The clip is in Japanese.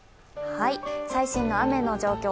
最新の雨の状況